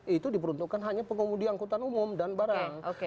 itu diperuntukkan hanya pengemudi angkutan umum dan barang